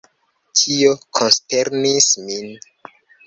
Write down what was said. Tio konsternis min.